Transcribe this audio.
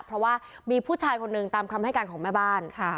เพราะว่ามีผู้ชายคนหนึ่งตามคำให้การของแม่บ้าน